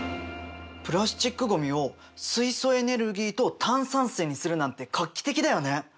プラスチックごみを水素エネルギーと炭酸水にするなんて画期的だよね。